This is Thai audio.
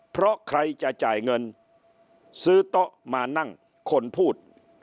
เพราะใครจะจ่ายเงินซื้อโต๊ะมานั่งคนพูด